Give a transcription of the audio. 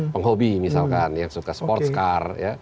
penghobi misalkan yang suka sports car